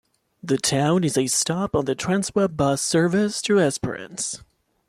The town is a stop on the Transwa bus service to Esperance.